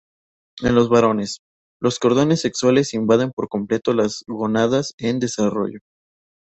En los varones, los cordones sexuales invaden por completo las gónadas en desarrollo.